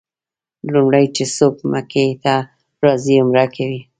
لومړی چې څوک مکې ته راځي عمره کوي.